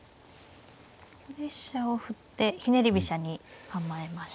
ここで飛車を振ってひねり飛車に構えました。